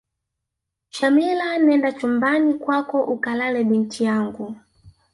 shamila nenda chumbani kwako ukalale binti yangu